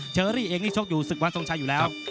เชอรี่เองนี่ชกอยู่ศึกวันทรงชัยอยู่แล้ว